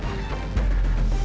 aku mau ke tempat kamu